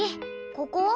ここ？